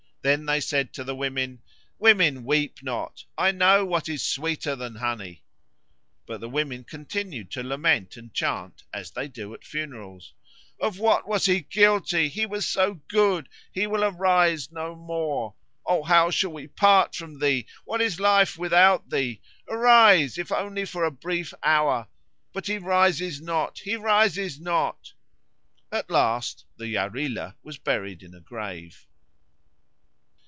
Then they said to the women, "Women, weep not. I know what is sweeter than honey." But the women continued to lament and chant, as they do at funerals. "Of what was he guilty? He was so good. He will arise no more. O how shall we part from thee? What is life without thee? Arise, if only for a brief hour. But he rises not, he not." At last the Yarilo was buried in a grave.